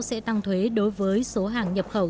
sẽ tăng thuế đối với số hàng nhập khẩu